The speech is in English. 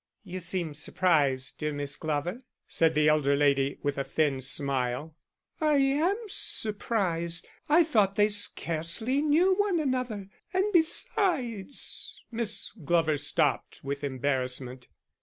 "You seem surprised, dear Miss Glover," said the elder lady, with a thin smile. "I am surprised. I thought they scarcely knew one another; and besides " Miss Glover stopped, with embarrassment.